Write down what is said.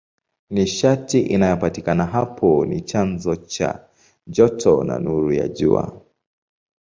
Nishati inayopatikana hapo ni chanzo cha joto na nuru ya Jua.